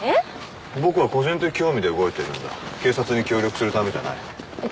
僕は個人的興味で動いているんだ警察に協力するためじゃないあ